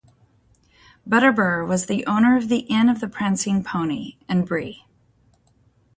Butterbur was the owner of the Inn of the Prancing Pony in Bree.